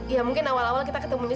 ya mungkin awal awal kita ketemu dulu